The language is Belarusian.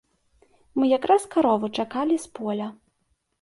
Мы якраз карову чакалі з поля.